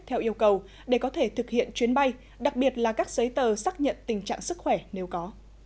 theo yêu cầu để có thể thực hiện chuyến bay đặc biệt là các giấy tờ xác nhận tình trạng sức khỏe nếu có